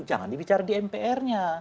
jangan dibicara di mpr nya